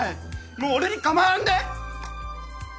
もう俺にかまわんで！